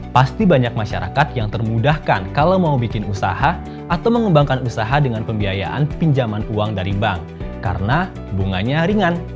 pasti banyak masyarakat yang termudahkan kalau mau bikin usaha atau mengembangkan usaha dengan pembiayaan pinjaman uang dari bank karena bunganya ringan